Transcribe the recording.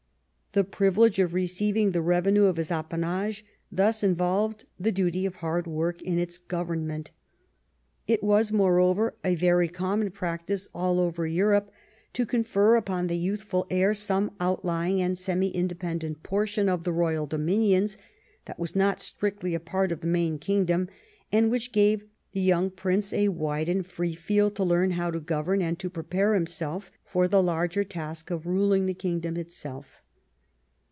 The privilege of receiving the revenue of his appanage thus involved the duty of hard Avork in its government. It was, more over, a very common practice all over Europe to confer upon the youthful heir some outlying and semi independ ent portion of the royal dominions that was not strictly a part of the main kingdom, and which gave the young prince a wide and free field to learn how to govern and prepare himself for the larger task of ruling the kingdom itself.